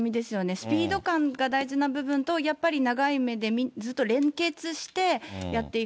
スピード感が大事な部分と、やっぱり長い目でずっと連結してやっていく。